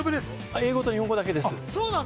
英語と日本語だけです。